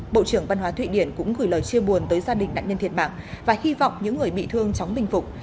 bộ trưởng văn hóa thụy điển cũng gửi lời chia buồn tới gia đình nạn nhân thiệt mạng và hy vọng những người bị thương chóng bình phục